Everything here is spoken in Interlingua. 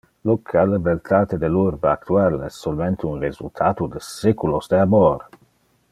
Lucca, le beltate del urbe actual es solmente un resultato de seculos de amor.